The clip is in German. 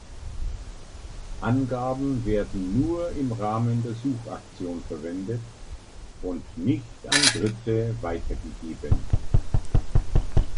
Angaben werden nur im Rahmen der Suchaktion verwendet und nicht an Dritte weitergegeben.